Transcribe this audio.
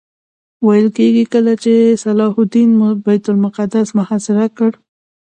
ویل کېږي کله چې صلاح الدین بیت المقدس محاصره کړ.